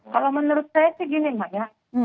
kalau menurut saya sih gini mbak ya